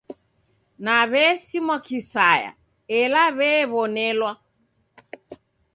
Na w'esimwa kisaya ela w'ew'onelwa.